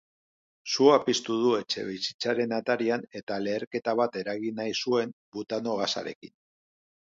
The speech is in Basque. Sua piztu du etxebizitzaren atarian eta leherketa bat eragin nahi zuen butano gasarekin.